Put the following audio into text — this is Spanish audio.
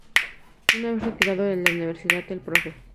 Una vez retirado de la Universidad, el Prof.